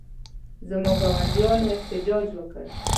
زما ګاونډیانو احتجاج وکړ.